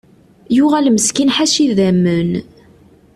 Yuɣal meskin ḥaca idamen.